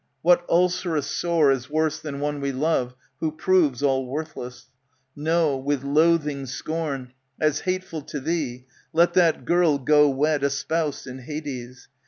What ulcerous sore is worse than one we love Who proves all worthless ? No ! with loathing scorn, As hateful to thee, let that girl go wed A spouse in Hades.